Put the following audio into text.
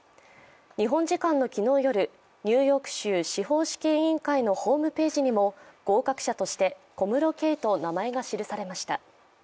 日本時間の昨日夜、ニューヨーク州司法試験委員会のホームページにも合格者として「ＫＯＭＵＲＯＫＥＩ」と名前が記されました。